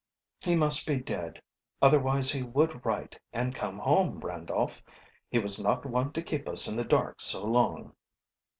"He must be dead, otherwise he would write or come home, Randolph. He was not one to keep us in the dark so long."